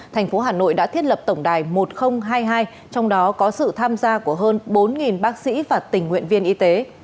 thành phố hà nội đã thiết lập tổng đài một nghìn hai mươi hai trong đó có sự tham gia của hơn bốn bác sĩ và tình nguyện viên y tế